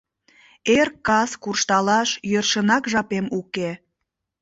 «Эр-кас куржталаш йӧршынак жапем уке.